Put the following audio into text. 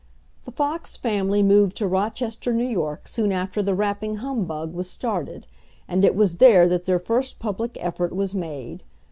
The Fox family moved to Rochester, New York, soon after the rapping humbug was started; and it was there that their first public effort was made.